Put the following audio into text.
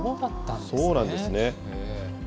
そうなんですね。